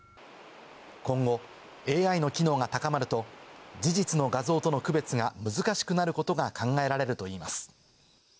今後ＡＩの機能が高まると、事実の画像との区別が難しくなることが考えられるといいます。